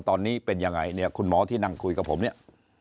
ตอนนี้เป็นยังไงเนี่ยคุณหมอที่นั่งคุยกับผมเนี่ย